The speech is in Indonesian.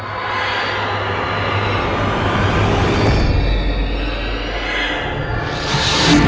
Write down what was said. kenapa gue jadi merinding ya